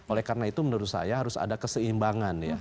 oleh karena itu menurut saya harus ada keseimbangan ya